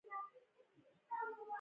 مستي یې ده نو.